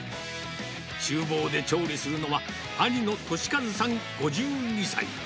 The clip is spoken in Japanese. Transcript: ちゅう房で調理するのは、兄の利和さん５２歳。